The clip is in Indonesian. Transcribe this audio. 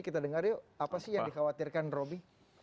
kita dengar yuk apa sih yang dikhawatirkan roby